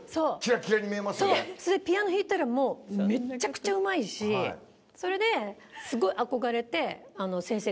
それでピアノ弾いたらもうめちゃくちゃうまいしそれですごい憧れて。